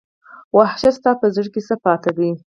وحشته ستا په زړه کې څـه پاتې دي